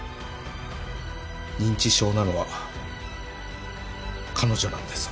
認知症なのは彼女なんです。